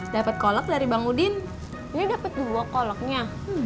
dapat kolek dari bang udin ini dapat dua koleknya